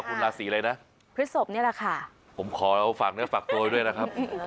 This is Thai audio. คุณลาสีอะไรนะภฤษภเนี่ยแหละค่ะผมขอเอาฝากเนี่ยฝากตัวด้วยนะครับ